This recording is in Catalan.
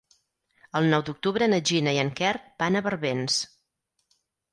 El nou d'octubre na Gina i en Quer van a Barbens.